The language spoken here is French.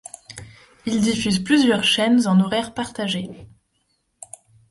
Il diffuse plusieurs chaînes en horaire partagé.